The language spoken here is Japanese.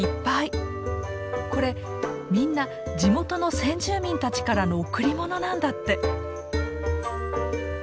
これみんな地元の先住民たちからの贈り物なんだって。